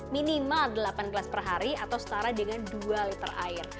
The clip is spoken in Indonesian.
minimal delapan gelas per hari atau setara dengan dua liter air